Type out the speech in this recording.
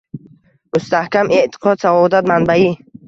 Mustahkam e’tiqod – saodat manbai.